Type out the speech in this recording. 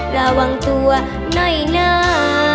ระวังตัวในหน้า